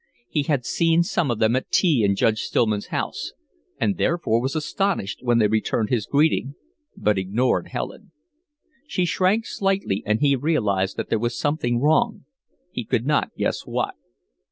He had seen some of them at tea in Judge Stillman's house, and therefore was astonished when they returned his greeting but ignored Helen. She shrank slightly, and he realized that there was something wrong; he could not guess what.